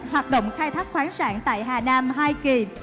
hoạt động khai thác khoáng sản tại hà nam hai kỳ